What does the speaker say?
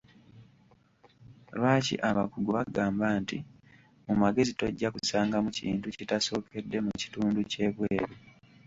Lwaki abakugu bagamba nti: Mu magezi tojja kusangamu kintu kitasookedde mu kitundu ky'ebweru?